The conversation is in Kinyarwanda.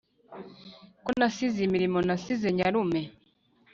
ko nasize imirimo nasize nyarume